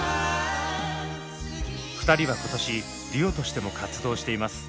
２人は今年デュオとしても活動しています。